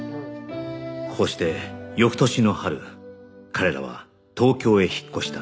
こうして翌年の春彼らは東京へ引っ越した